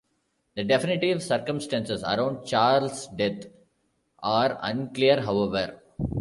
The definitive circumstances around Charles's death are unclear however.